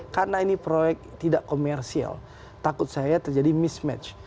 karena ini proyek tidak komersial takut saya terjadi mismatch